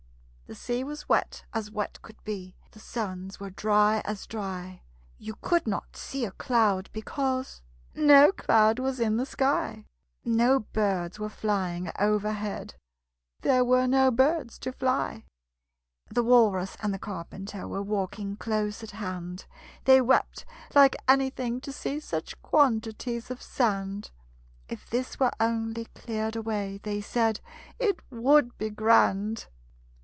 The sea was wet as wet could be, The sands were dry as dry. You could not see a cloud, because No cloud was in the sky: No birds were flying over head There were no birds to fly. The Walrus and the Carpenter Were walking close at hand; They wept like anything to see Such quantities of sand: "If this were only cleared away," They said, "It would be grand!"